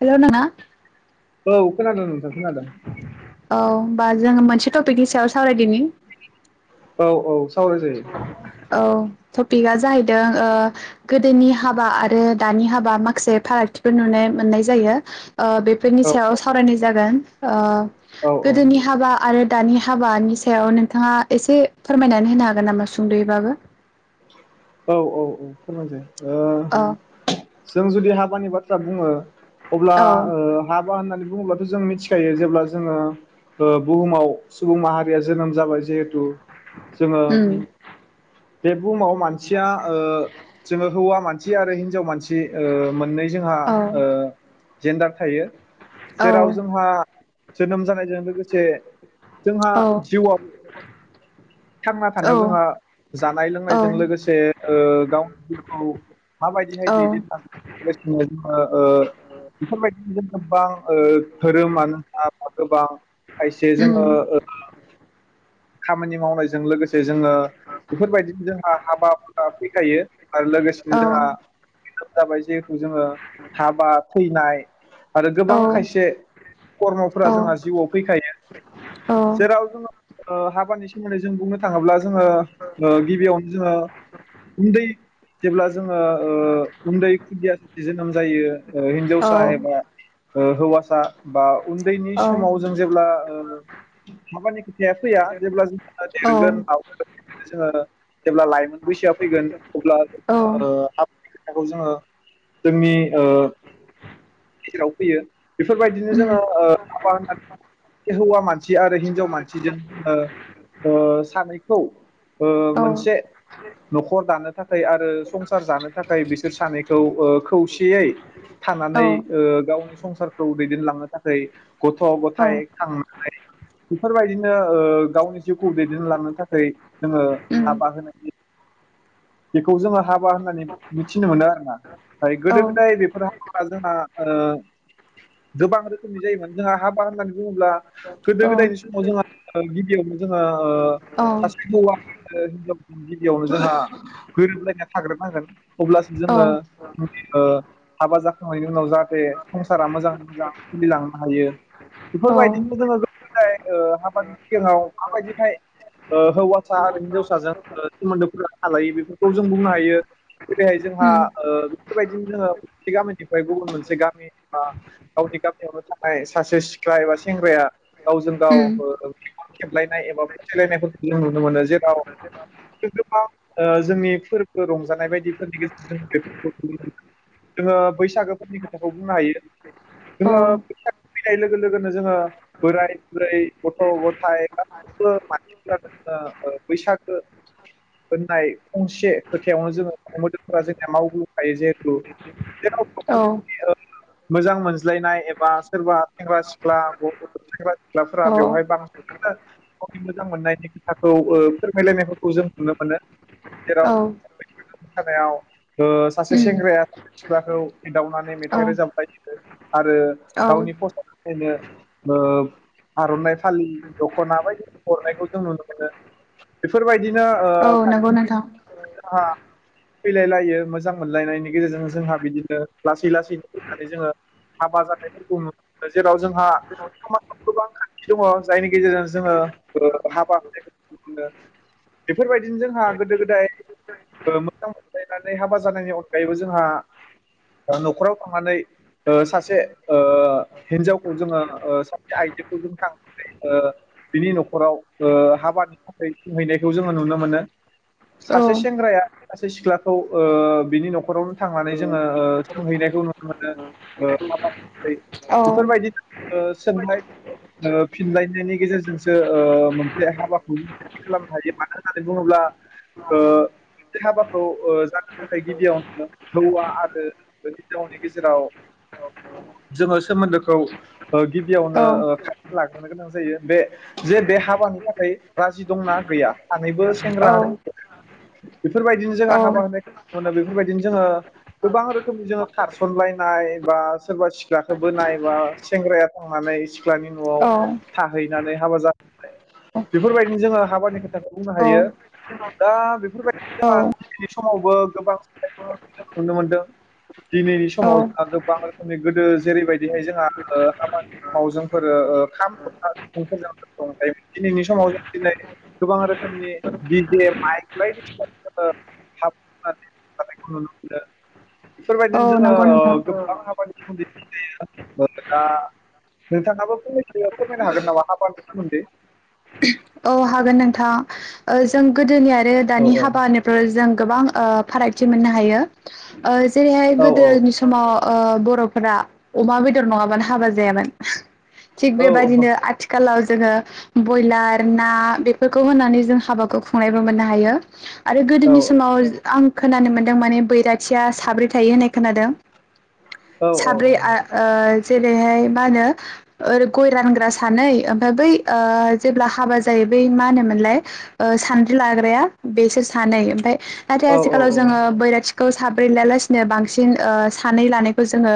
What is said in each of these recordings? Hello नों [unintelligible] औ खोनादों नोंथां खोनादों औ होनबा जोङो मोनसे टपिकनि सायाव सावरायदिनि। औ औ। सावराय जायो। औ टपिकआ जाहैदों ओ गोदोनि हाबा आरो दानि हाबा माखसे फारागथिफोर नुनो मोननाय जायो बेफोरनि औ सायाव सावरायनाय जागोन औ गोदोनि हाबा आरो दानि हाबानि सायाव नोंथाङा एसे फोरमायनानै होनो हागो हागोन नामा सुंद'यैबाबो औ औ औ खोनादों ओ औ जों जुदि हाबानि बा जा बुङो अब्ला औ ओ हाब होननानै बुंङोबाथ जों सिखायो जेब्ला जोङो ओ‌ बुहुमाव सुबुं माहारिया जोनोम जाबाय जिहेथु जोंङो उम बे बुहुमाव मानसिया ओ जोंङो हौवा मानसि आरो हिनजाव मानसि ओ मोननै जोंहा औ ओ जेन्डार थायो। औ जेराव जोंहा जोनोम जानायजों लोगोसे जोंहा औ जिउआव थांना औ थानायाव जोंहा जानाय औ लोंनायजों लोगोसे ओ गावनि जिउखौ माबायदिहाय औ दैदेनलांनो लोगोसेनो जोंङो ओ बेफोरबायदि [unintelligible] बां ओ धोरोमानो‌ जा गोबां खायसे उम जोंङो ओ खामानि मावनायजों लोगोसे जोंङो बेफोरबायदिनो जोंहा हाबाफोरा फैखायो आरो लोगोसेनो औ जोंहा जाबाय जिहेथु जोंङो हाबा थैनाय आरो औ गोबां खायसे खर्मफोरा जोंहा जिउआव फैखायो औ जेराव जोंङो ओ हाबानि सोमोन्दै जों बुंनो थाङोब्ला जोंङो ओ गिबियावनो जोंङो उन्दै जेब्ला जोंङो ओ उन्दै खुदिया सासे जोनोम जायो हिनजावसा एबा औ ओ हौवासा बा उन्दैनि औ समाव जों जेब्ला ओ हाबानि फैया जेब्ला जों औ देरगोन लावगोन जोंङो जेब्ला लाइमोन बैसोआ फैगोन अब्ला उम ओ आब खोथाखौ जोंङो जोंनि ओ गेजेराव फैयो। बेफोरबायदिनो जोंङो ओ हाबा होननानै हौवा मानसि आरो हिनजाव मान [unintelligible] ओ सानै। [unintelligible] ओ औ मोनसे न'खर दानो थाखाय आरो संसार जानो थाखाय बिसोर सानैखौ ओ खौसेयै औ थानानै ओ गावनि संसारखौ दैदेनलांनो थाख ऐ गथ' गथाय खांनाय बेफोरबायदिनो ओ गावनि जिउखौ दैदेनलांनो थाखाय जोंङो उम हाबा होनायनि खौ जोंङो हाबा होननानै मिथिनो मोनो आरोना दा औ गोदो गोदाय बेफोर हाबा जोंना ओ गोबां रोखोमनि जायोमोन जोंहा हा बा होननानै बुङोब्ला गोदो गोदायनि गिबियावनो जों ओ औ [unintelligible] [unintelligible] बेयाव जोंहा गोरोबलायना थाग्रोद नांगोन अब्लासो औ जोङो ओ हाबा जाखांनायनि उनाव जाहाथते संसारा मोजाङै मोजां सोलिलांनो हायो बेफोरबायदिनो जोंङो। ओ हाबानि सिगाङाव माबायदिहाय ओ हौवासा आरो हिनजावसाजों ओ सोमोनदोफोर थालायो बेफोरखौ जों बुंनो हायो जेरैहाय जोंहा उम ओ बेफोरबायदिनो जोंङो मोनसे गामिनिफ्राय गुबुन मोनसे गामि बा गावनि गामियावनो थानाय सासे सिख्ला एबा सेंग्राया गाव। दाव उम फोर खेबलायनाय एबा फोथायलायनायफोरखौ जों नुनो मोनो जेराव सोरदोंबा ओ जोंनि फोरबो रंजानाय बायदिफोरनि गेजेरजों बेफोरखौ नुनो मोनो जोंङो बैसागोफोरनि खोथाखौ बुंनो हायो जोंङो औ बैसागो फैनाय लोगो लोगोनो जोंङो बोराय राय गथ गथाय गासैबो मानसिफोरानो ओ बैसागो होननाय फंसे खोथायावनो जोंङो मोदोम फोराजोंनिया मावबोखायो जिहेतु औ मोजां मोनज्लायनाय एबा सोरबा सेंग्रा सिख्ला गथ [unintelligible] सिख्लाफोरा औ बेवहाय बां। गावनि मोजां मोननायनि खोथाखौ ओ फोरमायलायनायफोरखौ जों नुनो मोनो जेराव औ। बैसागो मोसानायाव ओ सासे सेंग्राया सासे सिख्लाखौ एदावनानै मेथाइ उम रोजाब [unintelligible] आरो औ गावनि फसायनि थाखायनो ओ आरनाइ फालि दखना बायदि हरनायखौ जों नुनो मोनो बेफोरबाय दिनो ओ औ नंगौ नोंथां [unintelligible] फैलायलायो मोजां मोनलायनायनि गेजेरजों जोंहा बिदिनो लासै लासैनो फैनानै जोंङो हाबा जानायफोरखौ [unintelligible] मोनो जेराव जोंहा [unintelligible] गोबां खान्थि दङ जायनि गेजेरजों जोंङो ओ हाबा होनायखौ मोनो बेफोरबायदिनो जोंहा गोदो गोदाय ओ मोजां मोनलायनानै हाबा जानायनि अनगायैबो जोंहा ओ नखराव थांनानै ओ सासे ओ हिनजावखौ जोंङो ओ आइजोखौ जों थांनानै ओ बिनि नखराव ओ हाबानि थाखाय सोंहैनायखौ जोंङो नुनो मोनो। औ सासे सेंग्राया। ससे सिख्लाखौ ओ बिनि नखराव। थांनानै जोंङो ओ सोंहैनायखौ नुनो मोनो ओ‌ [unintelligible] औ बेफोरबायदि ओ। सोंलाय ओ फिनलायनायनि गेजेरजोंसो ओ मोनसे हाबाखौ खालामनो हायो मानो होननानै बुङोब्ला ओ बे हाबाखौ ओ जानो थाखाय गिबियावनो हौवा आरो हिनजावनि गेजेराव जोंङो सोमोन्दोखौ ओ गिबियावनो औ ओ फाइ लाख लानो गोनां जायो बे जे बे हाबानि थाखाय राजि दंना गैया सानैबो सेंग्रा औ आरो [inaudible] बेफोरबायदिनो जोंङो हाबा होनाय [inaudible] बेफोरबायदिनो जोंङो गोबां रोखोमनि जोंङो खारसनलायनाय बा सोरबा सिख्लाखौ बोनाय बा सेंग्राया। संनानै सिख्लानि नआव औ थाहैनानै हाबा जानायनि फ्राय बेफोरबायदिनो जोंङो हाबानि खोथ खौ बुंनो हायो। औ दा बेफोरबा [unintelligible] समावबो गोबां नुनो मोनदों दिनैनि समाव जोंहा गोबां रोखोमनि गोदो जेरैबायदिहाय जोंहा ओ आबाद समाव जोंफोरो ओ खाम जथा सिफुंफोर रंजायोमोन दिनैनि समाव जों दिनै गोबां रोखोमनि दि जे माइक बायदिसिना [inaudible] बाहायनायखौ नुनो मोन्दों बेफोरबायदिनो औ जोङो नंगौ ओ नोंथां गोबां हाबानि सोमोन्दै [unintelligible] नोंथाङाबो फंनैसो फोरमायनो हागोन नामा हाबानि सोमोन्दै? औ हागोन नोंथां ओ जों गोदोनिआ औ दानि औ हाबाानिफ्राव जों गोबां ओ फारागथि मोननो हायो ओ जेरैहाय औ गोदोनि समाव ओ बर फोरा अमा बेदर नङाबानो हाबा जायामोन। थिग औ औ बेबायदिनो आथिखालाव जोङो बयलात ना बेफोरखौ होनानै जों हाबाखौ खुंनायबो मोननो हायो। आरो औ गोदोनि समाव आं खोनानो मोन्दों माने बैरा खायसेया साब्रै थायो होननाय खोनादों। औ साब्रै आ ओ जेरैहाय मा होनो ओ गय रानग्रा सानै ओमफ्राय बै ओ जेब्ला हाबा जायो बै मा होनोमोनलाय ओ सानद्रि लाग्राया बेसोर सानै ओमफ्राय नाथाय औ आथिखालाव जोङो बैराथि खौ साब्रै लायालासिनो बांसिन ओ सानै लानायखौ जोङो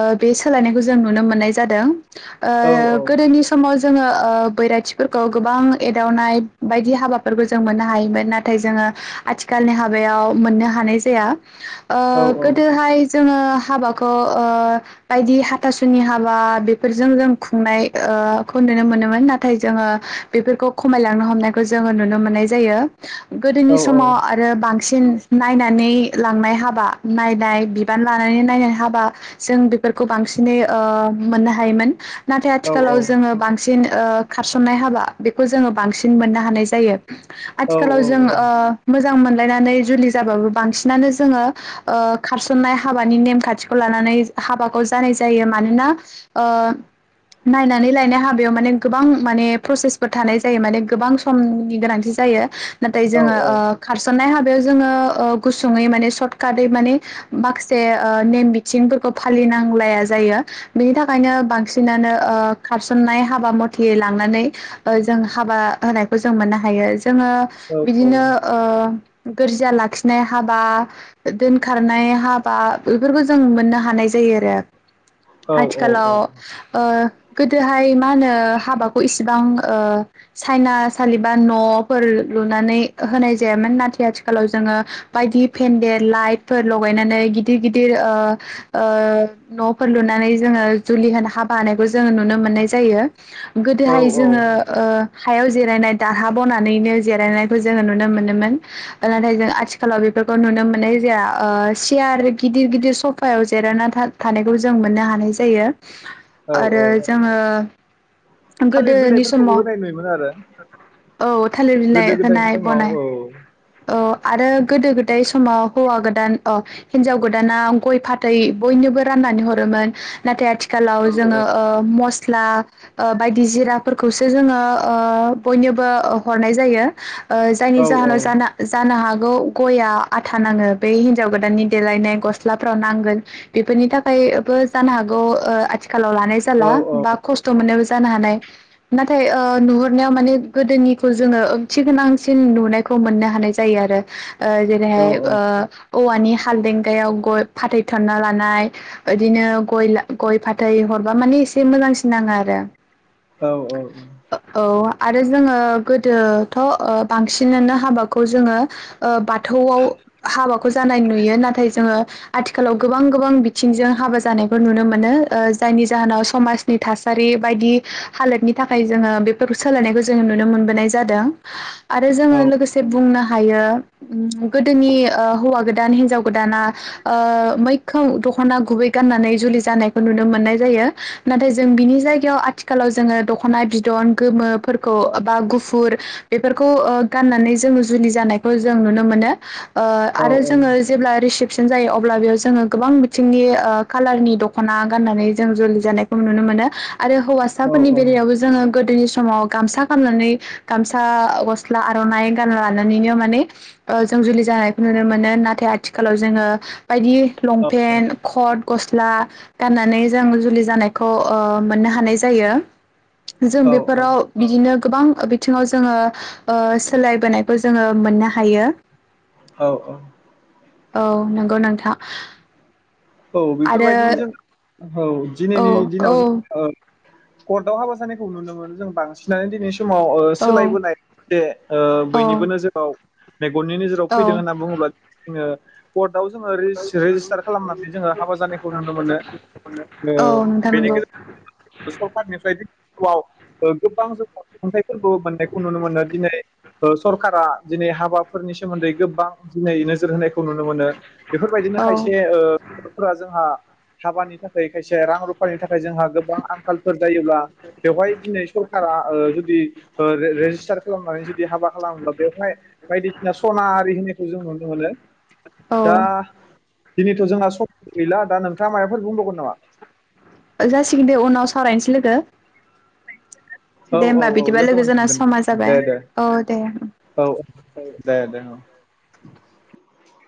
ओ बे सोलायनायखौ जों नुनो मोननाय जादों। औ ओ गोदोनि समाव जो जोङो ओ बैराथि फोर खौ गोबां एदावनाय बायदि हाबाफोरबो जों मोननो हायोमोन नाथाय जोङो आथिखालनि हाबायाव मोननो हानाय जाया। ओ औ गोदोहाय जो जोङो हाबाखौ ओ बायदि हाथासुनि हाबा बेफोरजों जों खुंनाय ओ खौ नुनो मोनोमोन नाथाय जोङो बेफोरखौ खमायलांनो हमनायखौ जोङो नुनो मोननाय जायो। गोदोनि समाव आरो बां बांसिन नायनानै लांनाय हाबा नायनाय बिबान लानानै नायनाय हाबा जों बेफोरखौ बांसिनै ओ मोननो हायोमोन । नाथाय आथिखालाव औ जोङो बांसिन ओ खारसननाय हा हाबा बेखौ जोङो बांसिन मोननो हानाय जायो। आथिखालाव जों अ मोज मोजां मोनलायनानै जुलि जाबाबो बांसिनानो जोङो ओ खारसन्नाय हाबानि नेमखान्थिखौ लानानै हाबाखौ जानाय जायो। मानोना ओ नायनानै लायनाय हाबायाव माने गोबां माने प्रसेसफोर थानाय जायो माने गोबां समनि गोनांथि जायो नाथाय औ जोङो औ ओ खारसननाय हाब बेयाव जोङो अह गुसुङै माने सर्टकाटै माने माखासे ओ नेम बिथिंफोरखौ फालिनांलाया जायो बेनि थाखायनो बांसिनानो ओ खारसननाय हाबा मथयै लांनानै जों हाबा होनायखौ जों मोननो हायो जोङो औ बिदिनो ओ गोरजिया लाखिनाय हाबा दोनखारनाय हाबा बोफोरखौ जों मोननो हानाय जायो आरो। औ औ औ आथिखालाव ओ गोदोहाय मा होनो हाबाखौ एसे आं ओह चाइना सालिबा न' फोर लुनानै होनाय जायामोन नाथाय आथिखालाव जोङो बायदि फेन्देल लाइटफोर लगायनानै गिदिर गिदिर ओ ओह न'फोर लुनानै जोङो जुलि होनो हा बानायखौ जोङो नुनो मोननाय जायो । जायो औ बेहाय जोङो ओ हायाव जिरायनाय दारहा बनानैनो जिरायनायखौ जोङो नुनो मोनोमोन नाथाय जों आथिखालाव बेफोरखौ नुनो मोननाय जाया ओह चियार गिदिर गिदिर सफायाव जिरायना थानायखौ जों मोननो हानाय जायो औ औ आरो जोङो थालिर गोदोनि बिलाइफोरखौबो समाव होनाय नुयोमोन आरो औ थालिर बिलाइ गोदो गोदायनि होनाय समाव ब'नाय औ औ आरो गोदो गोदाय समाव हौवा गोदान अ हिनजाव गोदाना गय फाथै बयनोबो राननानै हरोमोन नाथाय आथि आथिखालाव जोङो ओ मस्ट फ्लाक ओ बायदि जिराफोरखौ जोङो ओ बयनोबो हरनाय जायो ओ औ जायनि औ जाहोनाव जानि जानो हागौ गयआ आथा नाङो बे हिनजाव गोदाननि देलायनाय गस्लाफ्राव नांगोन बेफोरनि थाखायबो जानो हागौ आथिखाल आखालाव लानाय औ जाला बा खस्थ' मोननाय जानो हानाय नाथाय ओ नुहुरनायाव माने गोदोनि जोङो ओंथि गोनां सिन नुनायखौ मोननो हानाय जायो आरो । अ जेरैहाय ओ औवानि हालदेंगायाव गय फाथैथना लानाय बिदिनो गयला गय फाथैय हर बा माने एसे मोजांसिन नाङो आरो औ औ औ औ आरो जोङो गोदोथ' ओ बांसिनानो हाबाखौ जोङो ओ बाथ थौआव हाबाखौ जानाय नुयो नाथाय जोंङो आथिखालाव गोबां गोबां बिथिंजों हाबा जानायखौ नुनो मोनो ओ जायनि जाहोनाव समाजनि थासारि बायदि हालोदनि थाखाय जोंङो बेफोरखौ सोलायनायखौ जोंङो नुनो मोनबोनाय जादों। आरो जोङो लोगोसे बुंना हायो उम गोदोनि ओ हौवा गोदान हिनजाव दाना ओ मैखौ दखना गुबै गाननानै जुलि जानाय नुनो मोननाय जायो नाथाय जों बिनि जायग याव आथि खालाव जोंङो दखना बिदन गोमोफोरखौ बा गुफुर बेफोरखौ ओ गाननानै जोङो जुलि जानायखौ जों नुनो मोनो। ओ आरो जोङो जेब्ला रिसिप फिन जायो अब्ला बेयाव जोंङो गोबां बिथिंनि ओ खाालारनि दखना गाननानै जों जुलि जानायखौ नुनो मोनो। आरो हौवासाफोरनि बेलायावबो जोंङो गोदोनिस समाव गामसा गामनानै गामसा गस्ला आरनाइ गानना लानानैनो माने ओ जों जुलि जानायखौ नुनो मोनो नाथाय आथिखालाव जोंङो बायदि लंपेन्ट कट गस्ला गाननानै जों जुलि जानायखौ ओ मोननो हानाय जायो। जों औ बेफोराव बिदिनोब गोबां बिथिङाव जोङो ओ सोलाय बोनाय बो जोङो मोननो हायो। औ औ औ नोंगौ नोंथां। औ आरो बेफोरबायदिनो जों औ औ दिनैनि औ दिनाव जो ओ कर्टआव हाबा जानायखौ नुनो मोनो जों बांसिनानो दिनैस समाव ओ औ सोलायबोनाय जे ओ औ बोयनिबो नोजोराव मेगननि नोजोराव औ फैदों होनना बुंङोब्ला जोंङो कर्टआव जोङो रिज रेजिस्टार खालामना जोङो हाबा जानायखौ नुनो मोनो ओ औ नोंथां बेनि नंगौ गेजेराव [unintelligible] सरकारनिफ्राय [unintelligible] ओ गोबां जों खुंथाइफोरखौ मोननायखौ नुनो मोनो दिनै ओ सरकारा‌ दिनै हाबाफोरनि सोमोन्दै गोबां दिनै नोजोर होनायखौ खौ नुनो मोनो बेफोरबायदिनो औ खायसे ओ। जोंहा हाबानि थाखाय खाय से रां रुफानि थाखाय जोंहा गोबां आंखालफोर जायोब्ला बेवहाय दिनै सरकारा ओ जुदि ओ रे रेजिस्टार खालामनानै जुदि हाबा खालामोब्ला बेवहाय बायदिसिना सना आरि होनो जों नुनो मोनो। औ दा। दिनैथ' जोंना सम गैला दा नोंथाङा मायबाफोर बुंबावगोन नामा? ओ जासिगोन दे उनाव सावरायनोसै लोगो। औ दे औ होमबा औ बिदिबा लोगो जोंना समा मोनफिनगोन जाबाय दे दे औ दे औ औ दे दे औ। [inaudible]